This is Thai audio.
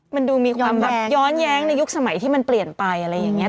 มันดูมีความแบบย้อนแย้งในยุคสมัยที่มันเปลี่ยนไปอะไรอย่างนี้